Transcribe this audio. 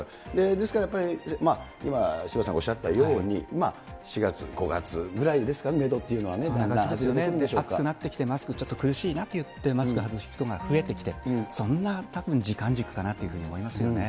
ですからやっぱり、今、渋谷さんがおっしゃったように、４月、５月ぐらいですかね、メドという暑くなってきて、マスクちょっと苦しいなと言ってマスクを外す人が増えてきて、そんなたぶん時間軸かなというふうに思いますよね。